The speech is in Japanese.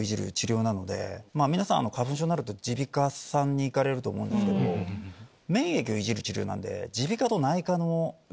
皆さん花粉症になると耳鼻科に行かれると思うんですけど免疫をいじる治療なんで。